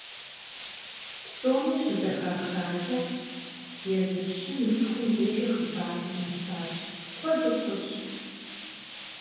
- Псоми щызэхахакӀэ, езы пщым и пхъум дежи хъыбарыр нэсащ, куэду фӀыщ.